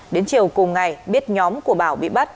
đến chiều cùng ngày biết nhóm của bảo bị bắt